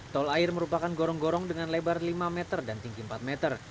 tol air merupakan gorong gorong dengan lebar lima meter dan tinggi empat meter